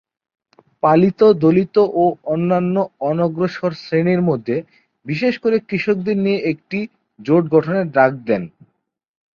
পাতিল দলিত ও অন্যান্য অনগ্রসর শ্রেণির মধ্যে বিশেষ করে কৃষকদের নিয়ে একটি জোট গঠনের ডাক দেন।